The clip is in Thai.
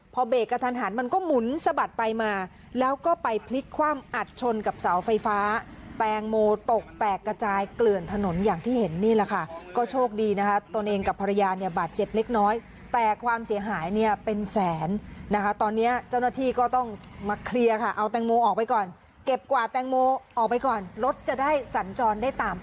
พอเบรกกระทันหันมันก็หมุนสะบัดไปมาแล้วก็ไปพลิกคว่ำอัดชนกับเสาไฟฟ้าแตงโมตกแตกกระจายเกลื่อนถนนอย่างที่เห็นนี่แหละค่ะก็โชคดีนะคะตนเองกับภรรยาเนี่ยบาดเจ็บเล็กน้อยแต่ความเสียหายเนี่ยเป็นแสนนะคะตอนนี้เจ้าหน้าที่ก็ต้องมาเคลียร์ค่ะเอาแตงโมออกไปก่อนเก็บกว่าแตงโมออกไปก่อนรถจะได้สัญจรได้ตาม